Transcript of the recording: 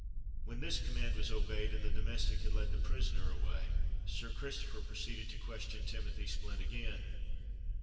When this command was obeyed, and the domestic had led the prisoner away, Sir Christopher proceeded to question Timothy Splint again.